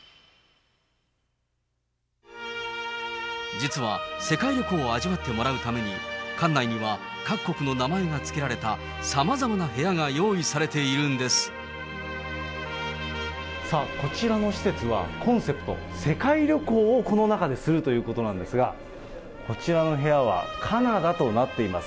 実は世界旅行を味わってもらうために、館内には各国の名前が付けられたさまざまな部屋が用意されているさあ、こちらの施設は、コンセプト、世界旅行をこの中でするということなんですが、こちらの部屋は、カナダとなっています。